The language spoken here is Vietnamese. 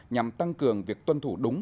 nhằm tăng cường việc tuân thủ đúng